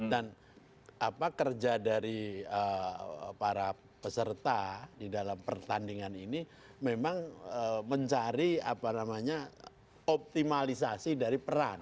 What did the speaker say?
dan apa kerja dari para peserta di dalam pertandingan ini memang mencari optimalisasi dari peran